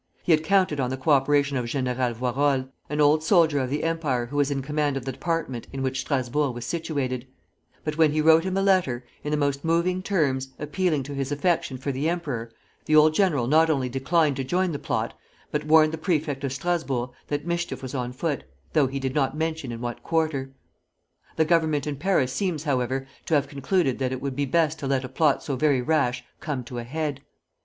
He had counted on the co operation of General Voirol, an old soldier of the Empire who was in command of the Department in which Strasburg was situated; but when he wrote him a letter, in the most moving terms appealing to his affection for the emperor, the old general not only declined to join the plot, but warned the Prefect of Strasburg that mischief was on foot, though he did not mention in what quarter. The Government in Paris seems, however, to have concluded that it would be best to let a plot so very rash come to a head.